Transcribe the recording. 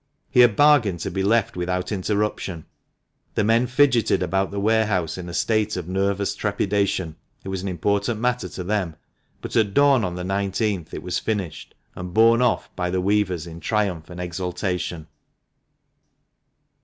He had bargained to be left without interruption. The men fidgeted about the warehouse in a state of nervous trepidation (it was an important matter to them), but at dawn on the ipth it was finished, and borne off by the weavers in triumph and exultation.